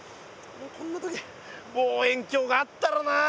こんな時に望遠鏡があったらなあ。